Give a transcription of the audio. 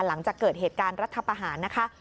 หลังจากเกิดเหตุการณ์รัฐประหารนะคะ